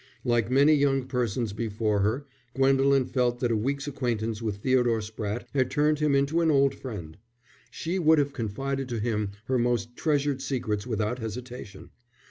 Like many young persons before her Gwendolen felt that a week's acquaintance with Theodore Spratte had turned him into an old friend. She would have confided to him her most treasured secrets without hesitation.